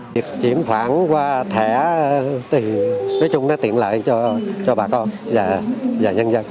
việc chiếm khoản qua thẻ thì nói chung nó tiện lợi cho bà con và nhân dân